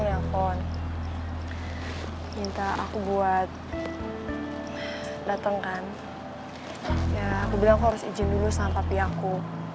ya aku bilang kau harus izin dulu sama papi aku